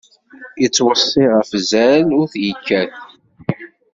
Yettweṣṣi ɣef wuzzal ur t-yekkat.